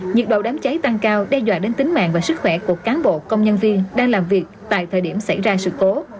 nhiệt độ đám cháy tăng cao đe dọa đến tính mạng và sức khỏe của cán bộ công nhân viên đang làm việc tại thời điểm xảy ra sự cố